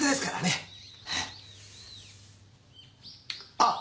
あっ。